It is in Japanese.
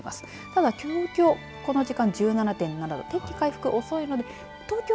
ただ東京この時間１７．７度天気回復遅いので東京